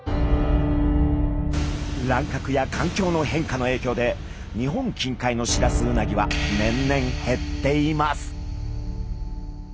乱獲や環境の変化のえいきょうで日本近海のシラスウナギは年々減っています。